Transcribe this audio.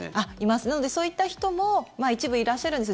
なので、そういった人も一部いらっしゃるんです。